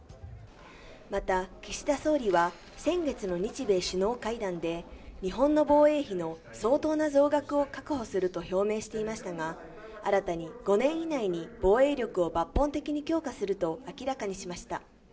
また岸田総理は先月の日米首脳会談で日本の防衛費の相当な増額を確保すると表明していましたが、新たに５年以内に防衛力を抜本的に強化すると明らかにしました。